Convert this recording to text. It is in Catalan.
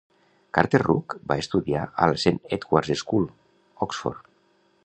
Carter-Ruck va estudiar a la Saint Edward's School, Oxford.